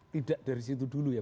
tidak dari situ dulu ya